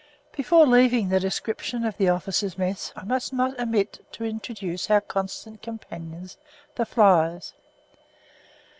Before leaving the description of the officers' mess, I must not omit to introduce our constant companions, the flies.